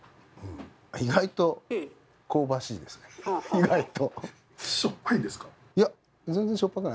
意外と。